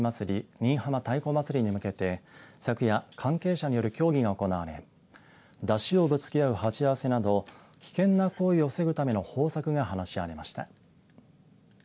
新居浜太鼓祭りに向けて昨夜関係者による協議が行われ山車をぶつけあう鉢合わせなど危険な行為を防ぐための方策が話し合われました。